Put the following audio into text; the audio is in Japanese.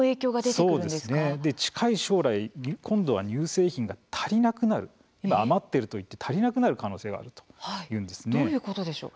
そうですね、近い将来今度は乳製品が足りなくなる今、余ってるといって足りなくなる可能性があるどういうことでしょう？